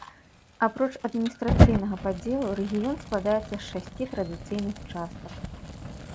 Апроч адміністрацыйнага падзелу рэгіён складаецца з шасці традыцыйных частак.